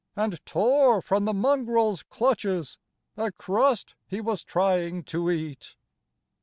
And tore from the mongrel's clutches A crust he was trying to eat.